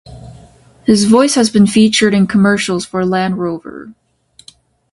His voice has been featured in commercials for Land Rover.